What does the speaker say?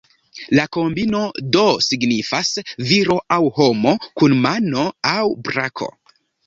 La kombino do signifas "Viro aŭ homo kun mano aŭ brako".